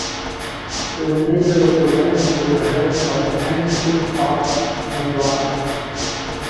The remainder of the lands were held by Pandit Bakht Narain.